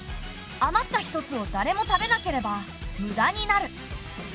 余った１つを誰も食べなければ無駄になる。